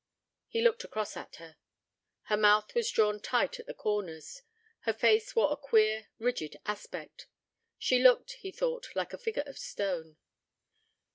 He looked across at her. Her mouth was drawn tight at the corners: her face wore a queer, rigid aspect. She looked, he thought, like a figure of stone.